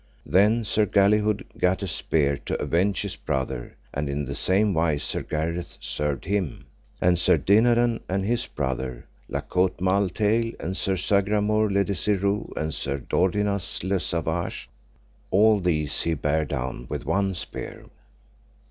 Then Sir Galihud gat a spear to avenge his brother, and in the same wise Sir Gareth served him, and Sir Dinadan and his brother, La Cote Male Taile, and Sir Sagramore le Desirous, and Sir Dodinas le Savage. All these he bare down with one spear.